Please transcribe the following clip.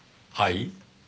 はい？